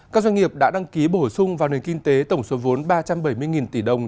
các doanh nghiệp đã đăng ký bổ sung vào nền kinh tế tổng số vốn ba trăm bảy mươi tỷ đồng